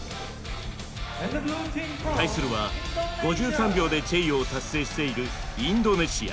対するは５３秒でチェイヨーを達成しているインドネシア。